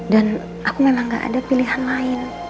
dan aku memang gak ada pilihan lain